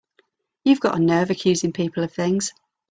You've got a nerve accusing people of things!